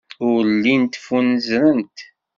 Ur llint ffunzrent.